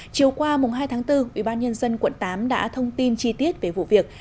chiều qua hai tháng bốn ubnd quận tám đã thông tin chi tiết về vụ việc